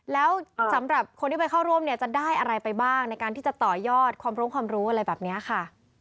แล้วสำหรับคนที่ไปเข้าร่วมเนี่ยจะได้อะไรไปบ้างในการที่จะต่อยอดความรู้ความรู้อะไรแบบนี้ค่ะ